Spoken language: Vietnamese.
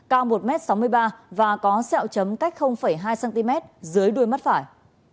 cao một m sáu mươi ba và có sẹo chấm cách hai cm dưới đuôi mắt phải